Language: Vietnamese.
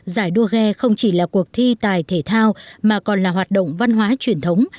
giải đua ghe không chỉ là cuộc thi tài thể thao mà còn là hoạt động văn hóa truyền thống